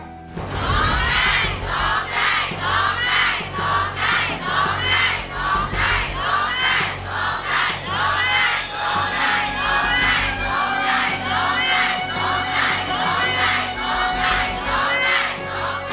โทษให้โทษให้โทษให้โทษให้โทษให้